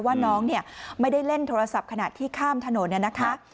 ว่าน้องเนี่ยไม่ได้เล่นโทรศัพท์ขณะที่ข้ามถนนเนี่ยนะคะ